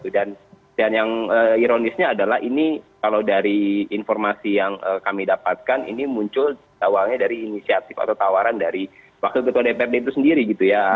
dan yang ironisnya adalah ini kalau dari informasi yang kami dapatkan ini muncul awalnya dari inisiatif atau tawaran dari wakil ketua dprd itu sendiri gitu ya